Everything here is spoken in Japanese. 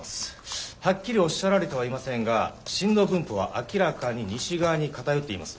はっきりおっしゃられてはいませんが震度分布は明らかに西側に偏っています。